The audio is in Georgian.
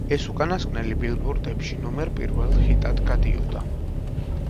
ეს უკანასკნელი ბილბორდებში ნომერ პირველ ჰიტად გადიოდა.